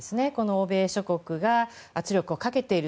欧米諸国が圧力をかけている。